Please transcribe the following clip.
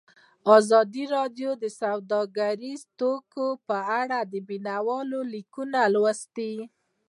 ازادي راډیو د سوداګریز تړونونه په اړه د مینه والو لیکونه لوستي.